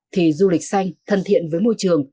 thì du lịch xanh thân thiện với môi trường